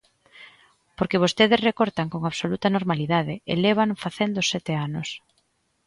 Porque vostedes recortan con absoluta normalidade, e lévano facendo sete anos.